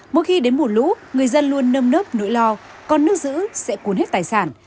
mỗi khi đến mùa lũ người dân luôn nâm nớp nỗi lo còn nước giữ sẽ cuốn hết tài sản